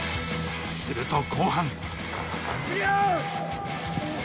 すると後半。